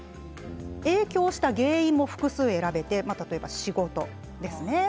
影響した原因も複数選べて例えば仕事ですね。